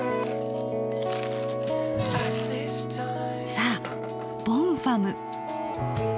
さあボンファム。